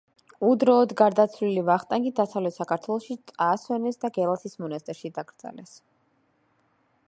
უდროოდ გარდაცვლილი ვახტანგი დასავლეთ საქართველოში წაასვენეს და გელათის მონასტერში დაკრძალეს.